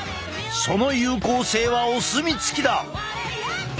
その有効性はお墨付きだ。